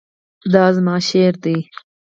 دا زما شعر دی